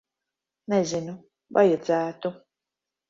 Nezinu. Vajadzētu.